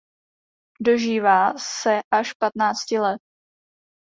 Dožívá se až patnácti let.